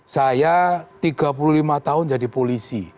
saya tiga puluh lima tahun jadi polisi